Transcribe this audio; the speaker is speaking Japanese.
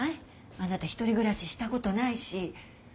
あなた１人暮らししたことないし。